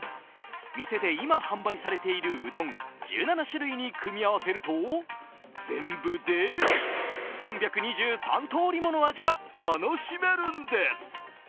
店で今、販売されているうどん１７種類に組み合わせると、全部で３２３通りもの味が楽しめるんです。